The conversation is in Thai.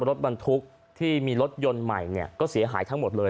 รถบรรทุกที่มีรถยนต์ใหม่เนี่ยก็เสียหายทั้งหมดเลย